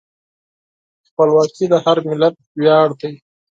خپلواکي د هر ملت ویاړ دی.